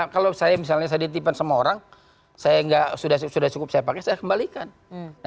kalau saya misalnya saya ditipan sama orang saya sudah cukup saya pakai saya kembalikan